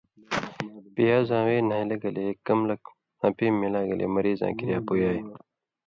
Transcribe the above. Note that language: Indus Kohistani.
پیازاں وے نھیلہ گلے کم لک ہپیم ملاگلے مریضاں کریا پُویائ۔